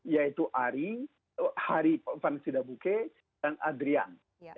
yaitu ari hari valencidabuke dan adrian